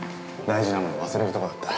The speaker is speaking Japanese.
大事なものを忘れるとこだった。